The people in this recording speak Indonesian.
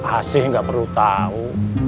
asih gak perlu tahu